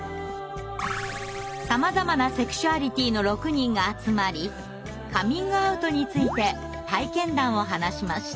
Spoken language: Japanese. さまざまなセクシュアリティーの６人が集まりカミングアウトについて体験談を話しました。